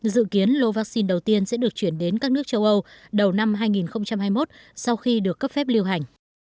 dự kiến lô vaccine đầu tiên sẽ được chuyển đến các nước châu âu đầu năm hai nghìn hai mươi một sau khi được cấp phép liều hành